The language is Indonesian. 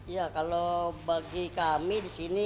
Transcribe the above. ya kalau bagi kami di sini